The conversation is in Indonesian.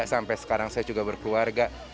sampai sekarang saya juga berkeluarga